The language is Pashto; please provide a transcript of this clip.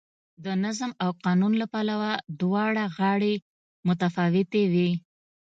د نظم او قانون له پلوه دواړه غاړې متفاوتې وې.